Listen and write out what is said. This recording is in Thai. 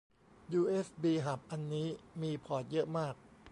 ยูเอสบีฮับอันนี้มีพอร์ตเยอะมาก